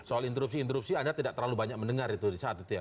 soal interupsi interupsi anda tidak terlalu banyak mendengar itu di saat itu ya